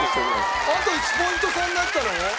あと１ポイント差になったの？